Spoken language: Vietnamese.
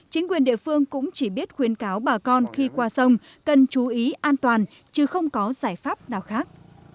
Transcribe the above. chính quyền địa phương cũng chỉ biết khuyến cáo bà con khi qua sông cần chú ý an toàn chứ không có giải pháp nào khác